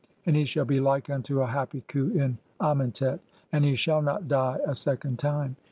(25) AND HE SHALL BE LIKE UNTO A HAPPY KHU IN AMENTET, AND HE SHALL NOT DIE A SECOND TIME.